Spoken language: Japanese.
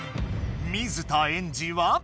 水田エンジは？